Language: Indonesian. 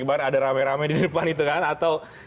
ibarat ada rame rame di depan itu kan atau